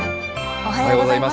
おはようございます。